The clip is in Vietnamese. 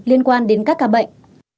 liên quan đến các ca bệnh